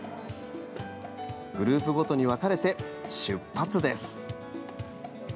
グループごとに分かれて出発です。